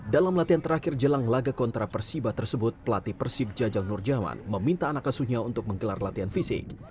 dalam latihan terakhir jelang laga kontra persiba tersebut pelatih persib jajang nurjaman meminta anak asuhnya untuk menggelar latihan fisik